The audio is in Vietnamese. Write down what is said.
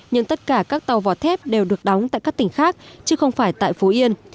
nhưng tất cả các tàu vỏ thép đều được đóng tại các tỉnh khác chứ không phải tại phú yên